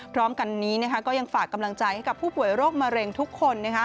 พร้อมกันนี้ก็ยังฝากกำลังใจให้กับผู้ป่วยโรคมะเร็งทุกคน